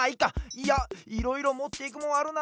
いやいろいろもっていくもんあるな。